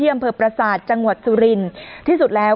เยี่ยมเผื่อประสาทจังหวัดสุรินที่สุดแล้ว